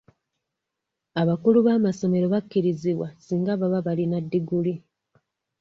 Abakulu b'amasomero bakkirizibwa singa baba balina ddiguli.